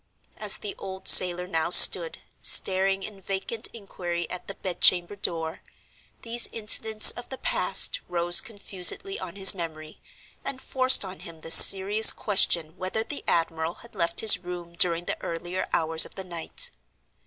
As the old sailor now stood, staring in vacant inquiry at the bed chamber door, these incidents of the past rose confusedly on his memory, and forced on him the serious question whether the admiral had left his room during the earlier hours of the night.